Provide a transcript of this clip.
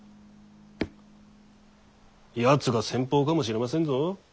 やつが先鋒かもしれませんぞ。